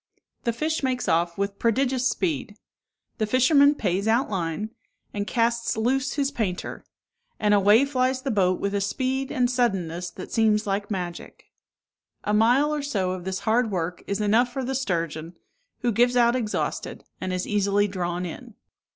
The fish makes off with prodigious speed; the fisherman pays out line, and casts loose his painter; and away flies the boat with a speed and suddenness that seems like magic. A mile or so of this hard work is enough for the sturgeon, who gives out exhausted, and is easily drawn in.